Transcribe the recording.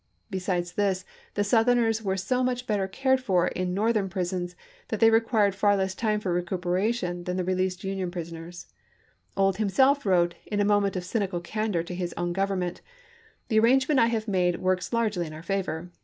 Besides this, the Southerners were so much better cared for in Northern prisons that they required far less time for recuperation than Rep0rt on the released Union prisoners. Ould himself wrote, ofpSSS* in a moment of cynical candor, to his own Gov er8H.n.,ar' ernment, " The arrangement I have made works gress,P.278. 460 ABRAHAM LINCOLN chap. xvi. largely in our favor.